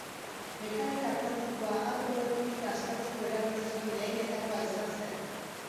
Mekanika kuantikoa atomoen kimika aztertzeko erabili zuen lehenetakoa izan zen.